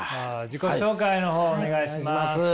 自己紹介の方お願いします。